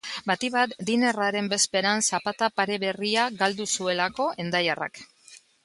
Batik bat dinner-aren bezperan zapata pare berria galdu zuelako hendaiarrak.